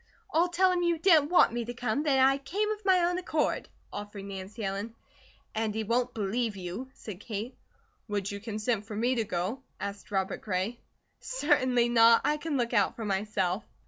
"I'll tell him you didn't want me to come, that I came of my own accord," offered Nancy Ellen. "And he won't believe you," said Kate. "Would you consent for me to go?" asked Robert Gray. "Certainly not! I can look out for myself."